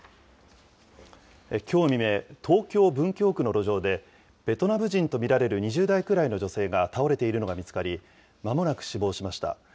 きょう未明、東京・文京区の路上で、ベトナム人と見られる２０代くらいの女性が倒れているのが見つかり、まもなく死亡しました。